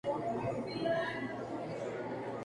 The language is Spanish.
Es el último acto conocido del linaje.